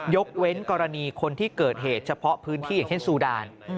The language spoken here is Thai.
ยกเว้นกรณีคนที่เกิดเหตุเฉพาะพื้นที่อย่างเช่นซูดาน